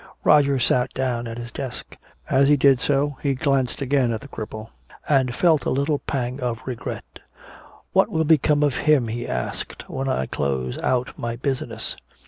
Roger sat down at his desk. As he did so he glanced again at the cripple and felt a little pang of regret. "What will become of him," he asked, "when I close out my business?"